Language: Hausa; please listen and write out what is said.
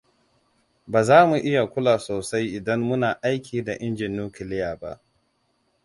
Baza mu iya kula sosai idan muna aiki da injin nukuliya ba.